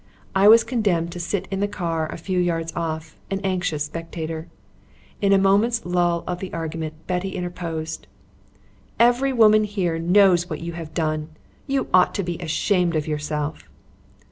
I was condemned to sit in the car a few yards off, an anxious spectator. In a moment's lull of the argument, Betty interposed: "Every woman here knows what you have done. You ought to be ashamed of yourself."